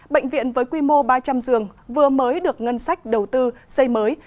bệnh viện với quy mô ba trăm linh giường vừa mới được ngân sách đầu tư xây mới